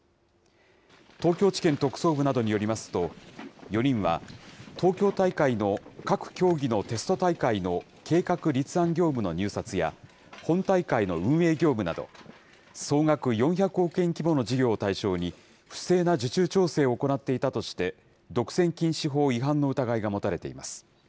東京地検特捜部などによりますと、４人は東京大会の各競技のテスト大会の計画立案業務の入札や、本大会の運営業務など、総額４００億円規模の事業を対象に、不正な受注調整を行っていたとして、独占禁止法違反の疑いが持たれています。